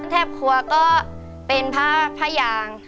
แทบครัวก็เป็นพ่อพระยาง